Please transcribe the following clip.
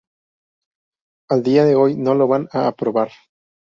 A día de hoy no lo van a aprobar.